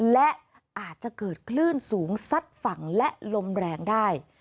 และอาจจะเกิดคลื่นสูงซัดฝั่งและลมแรงได้